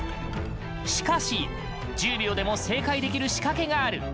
しかし、１０秒でも正解できる仕掛けがある！